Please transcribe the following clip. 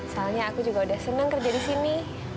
soalnya aku juga udah senang kerja di sini